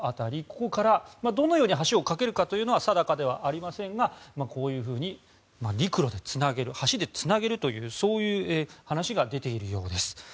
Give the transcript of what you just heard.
ここから、どのように橋を架けるかというのは定かではありませんがこういうふうに陸路でつなげる橋でつなげるというそういう話が出ているようです。